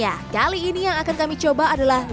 ya kali ini yang akan kami coba adalah